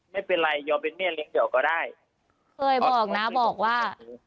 ไม่เป็นไรยอมเป็นเมียเลี้ยงเดี๋ยวก็ได้เคยบอกนะบอกว่า